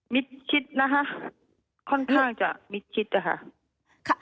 คิดนะคะค่อนข้างจะมิดคิดนะคะ